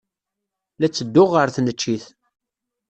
La ttedduɣ ɣer tneččit.